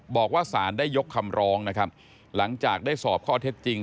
บอกว่าสารได้ยกคำร้องนะครับหลังจากได้สอบข้อเท็จจริง